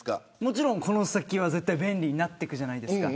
この先は絶対、便利になっていくじゃないですか。